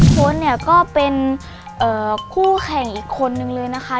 โพสต์เนี่ยก็เป็นคู่แข่งอีกคนนึงเลยนะคะ